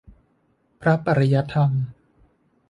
พระปริยัติธรรม